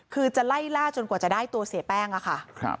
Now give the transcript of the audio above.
คือจะไล่ล่าจนกว่าจะได้ตัวเสียแป้งค่ะ